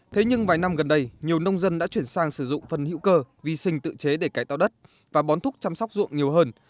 thế nhưng vài năm gần đây nhiều nông dân đã chuyển sang sử dụng phân hữu cơ vi sinh tự chế để cải tạo đất và bón thuốc chăm sóc ruộng nhiều hơn